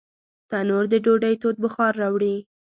تنور د ډوډۍ تود بخار راوړي